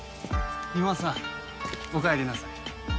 三馬さんおかえりなさい。